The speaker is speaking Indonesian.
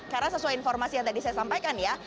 karena sesuai informasi yang tadi saya sampaikan ya